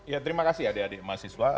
ya terima kasih adik adik mahasiswa